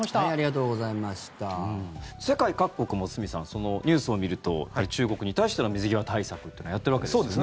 世界各国も堤さんニュースを見ると中国に対しての水際対策というのはやっているわけですよね。